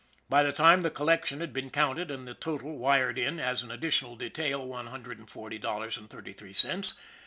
By this time the collection had been counted, and the total wired in, as an additional detail one hundred and forty dollars and thirty three cents.